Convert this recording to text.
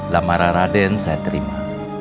lamara raden saya terima